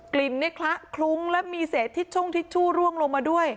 กลิ่นคลั้ะคลุ้งแล้วมีเสร็จทิชชุ่งร่วงลงมาด้วย